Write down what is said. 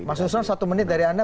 pak nusron satu menit dari anda